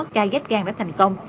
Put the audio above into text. ca ghép gan đã thành công